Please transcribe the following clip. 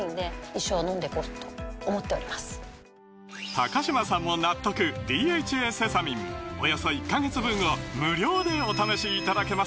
高嶋さんも納得「ＤＨＡセサミン」およそ１カ月分を無料でお試しいただけます